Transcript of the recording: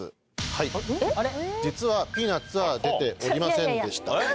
はい実はピーナッツは出ておりませんでした。